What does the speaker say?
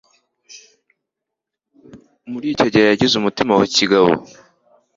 muri icyo gihe yagize umutima wa kigabo